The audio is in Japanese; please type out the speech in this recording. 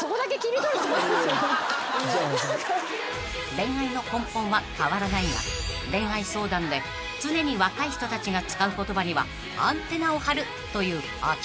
［恋愛の根本は変わらないが恋愛相談で常に若い人たちが使う言葉にはアンテナを張るという秋元さん］